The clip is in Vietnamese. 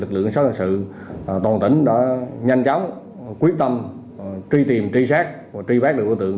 lực lượng cảnh sát hình sự toàn tỉnh đã nhanh chóng quyết tâm truy tìm truy xác và truy bắt lựa đối tượng